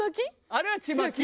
あれはちまき？